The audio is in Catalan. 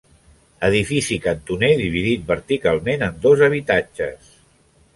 Edifici cantoner dividit verticalment en dos habitatges.